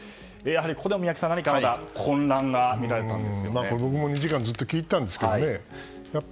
ここでも宮家さん僕も２時間ずっと聞いていたんですけどね。